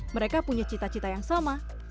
mereka punya cita cita yang sama